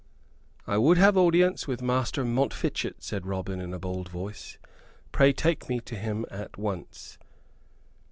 "I would have audience with Master Montfichet," said Robin, in a bold voice. "Pray take me to him at once."